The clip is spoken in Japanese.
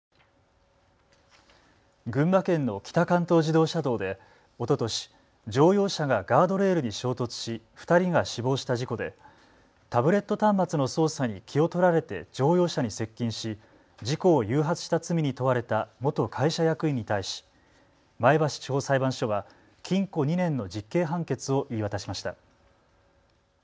群馬県の北関東自動車道でおととし乗用車がガードレールに衝突し２人が死亡した事故でタブレット端末の操作に気を取られて乗用車に接近し事故を誘発した罪に問われた元会社役員に対し前橋地方裁判所は禁固２年の実刑判決を言い渡しました。